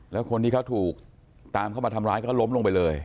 แล้วคนที่เขาถูกตามเข้ามาทำร้ายก็ล้มลงไปเลย